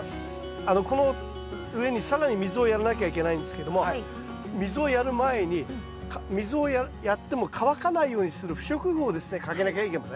この上に更に水をやらなきゃいけないんですけども水をやる前に水をやっても乾かないようにする不織布をですねかけなきゃいけません。